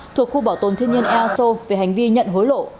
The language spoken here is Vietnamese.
thuộc khu bảo tồn thiên nhiên eso về hành vi nhận hối lộ